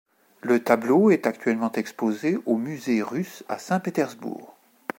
Le tableau est actuellement exposé au Musée Russe à Saint-Pétersbourg.